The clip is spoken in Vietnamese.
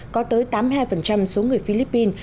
có tới tám mươi hai số người philippines